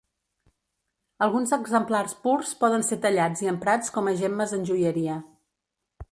Alguns exemplars purs poden ser tallats i emprats com a gemmes en joieria.